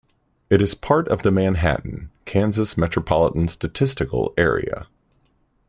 It is part of the Manhattan, Kansas Metropolitan Statistical Area.